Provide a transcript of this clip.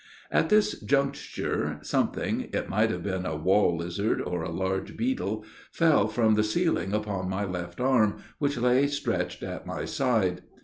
At this juncture, something it might have been a wall lizard, or a large beetle fell from the ceiling upon my left arm, which lay stretched at my side.